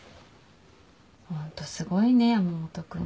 ホントすごいね山本君は。